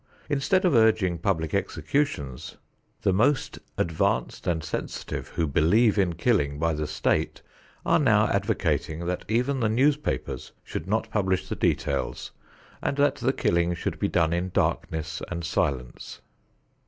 Instead of urging public executions, the most advanced and sensitive who believe in killing by the state are now advocating that even the newspapers should not publish the details and that the killing should be done in darkness and silence.